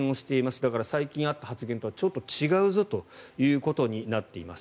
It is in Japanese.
だから、最近あった発言とはちょっと違うぞということになっています。